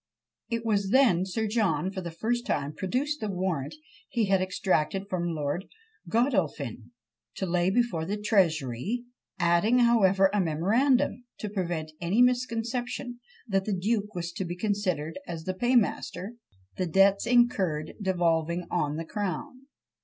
It was then Sir John, for the first time, produced the warrant he had extracted from Lord Godolphin, to lay before the Treasury; adding, however, a memorandum, to prevent any misconception, that the duke was to be considered as the paymaster, the debts incurred devolving on the crown.